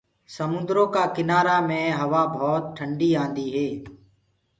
سموندرو ڪآ ڪِنآرآ مي هوآ ڀوت ٽنڊي آندي هي۔